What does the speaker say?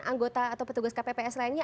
anggota atau petugas kpps lainnya